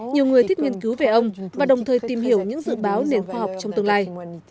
nhiều người thích nghiên cứu về ông và đồng thời tìm hiểu những dự báo nền khoa học trong tương lai